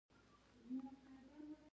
د خرما ګل د څه لپاره وکاروم؟